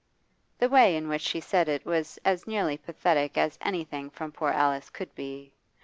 The way in which she said it was as nearly pathetic as anything from poor Alice could be.